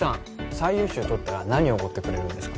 最優秀とったら何おごってくれるんですか？